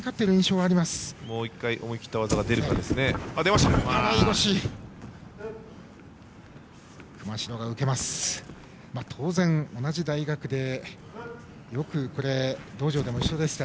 もう１回思い切った技が出ました。